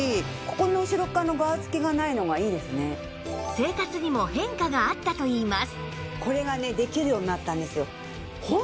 生活にも変化があったといいます